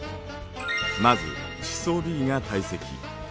まず地層Ｂが堆積。